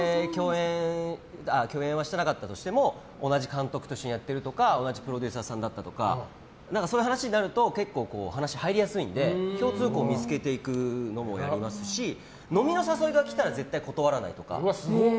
共演はしてなかったとしても同じ監督とやってるとか同じプロデューサーさんだったとかそういう話になると結構話に入りやすいので共通項を見つけていくのもやりますし、飲みの誘いは絶対断らないとか。